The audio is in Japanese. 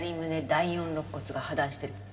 第四肋骨が破断してる。